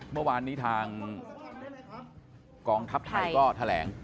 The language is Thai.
เมื่อวานนี้ทางกองทัพไทยก็แถลง